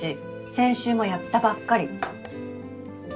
先週もやったばっかり。